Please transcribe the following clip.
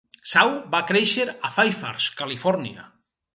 Shaw va créixer a Fairfax (Califòrnia).